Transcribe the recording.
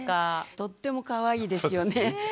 とってもかわいいですよね。